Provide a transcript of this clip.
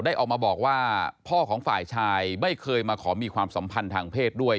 ออกมาบอกว่าพ่อของฝ่ายชายไม่เคยมาขอมีความสัมพันธ์ทางเพศด้วย